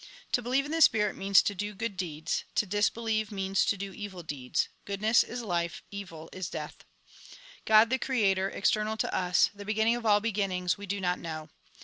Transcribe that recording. To believe in the Spirit means to do good deeds ; to disbelieve, means to do evil deeds. Goodness is life ; evil is death. " God, the Creator, external to us, the beginning of all beginnings, we do not know.